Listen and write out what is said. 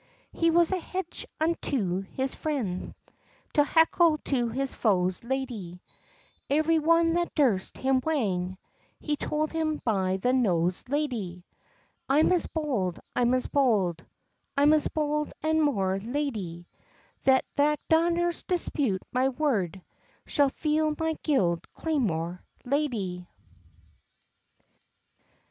"He was a hedge unto his frien's, A heckle to his foes, ladie, Every one that durst him wrang, He took him by the nose, ladie. I'm as bold, I'm as bold, I'm as bold, an more, ladie; He that daurs dispute my word, Shall feel my guid claymore, ladie."